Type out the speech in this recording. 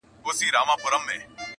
پر غوولي کوس سندري نه ويل کېږي.